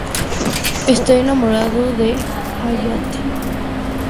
Está enamorada de Hayate.